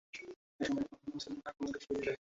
এ সময় অন্যান্য মুসলমানরা আক্রমণকারীদের সরিয়ে দেয়।